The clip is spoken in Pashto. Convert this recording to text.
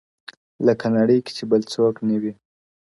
لــكه نـړۍ كي چـــــي بــل څـــــوك نــه وي؛